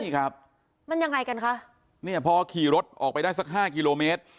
นี่ครับมันยังไงกันคะเนี่ยพอขี่รถออกไปได้สักห้ากิโลเมตร